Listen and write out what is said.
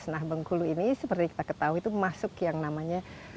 nah bengkulu ini seperti kita ketahui itu masuk yang namanya